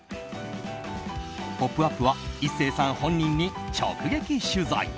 「ポップＵＰ！」は壱成さん本人に直撃取材。